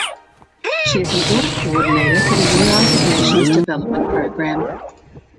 She is an audit coordinator for the United Nations Development Programme.